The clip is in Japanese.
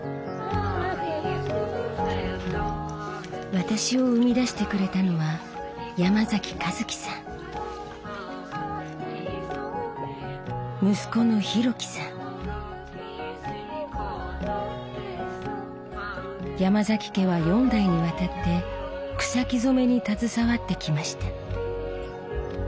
私を生み出してくれたのは息子の山崎家は４代にわたって草木染に携わってきました。